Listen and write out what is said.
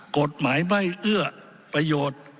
กฎหมายไม่เอื้อประโยชน์